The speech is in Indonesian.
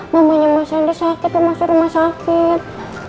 mamanya mas rendy sakit mau masuk rumah sakit